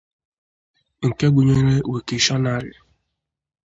nke gụnyere Wikitionary